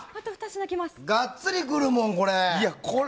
がっつりくるもん、これ。